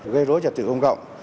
gây rối trật tự công cộng